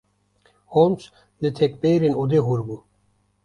Holmes li tekberên odê hûr bû.